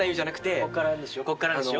こっからでしょ。